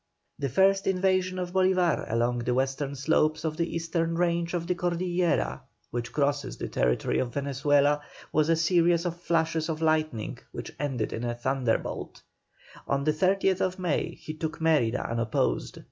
The first invasion of Bolívar along the western slopes of the eastern range of the Cordillera which crosses the territory of Venezuela, was a series of flashes of lightning which ended in a thunderbolt. On the 30th May he took Mérida unopposed.